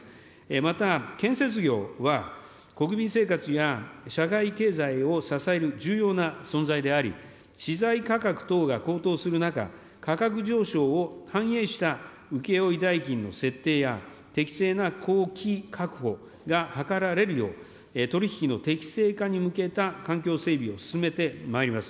また建設業は、国民生活や社会経済を支える重要な存在であり、資材価格等が高騰する中、価格上昇を反映した請負代金の設定や、適正な工期確保が図られるよう、取り引きの適正化に向けた環境整備を進めてまいります。